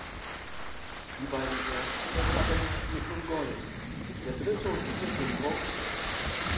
Die beiden Ersten der Tabelle spielten um Gold, der Dritte und Vierte um Bronze.